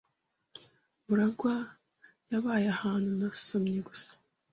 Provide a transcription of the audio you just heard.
Murangwa yabaye ahantu nasomye gusa.